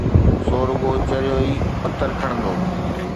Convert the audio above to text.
سو رڳو چريو ئي پٿر کڻندو.